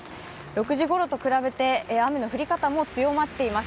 ６時ごろと比べて雨の降り方も強まっています。